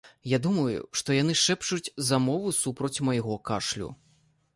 Я думаю, што яны шэпчуць замову супроць майго кашлю.